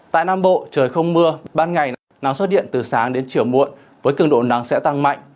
tại nam bộ trời không mưa ban ngày nắng xuất hiện từ sáng đến chiều muộn với cường độ nắng sẽ tăng mạnh